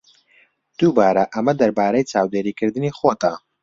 دووبارە، ئەمە دەربارەی چاودێریکردنی خۆتە.